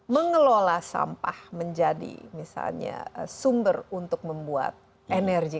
mengelola sampah menjadi misalnya sumber untuk membuat energi